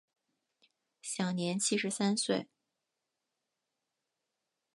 享年七十三岁。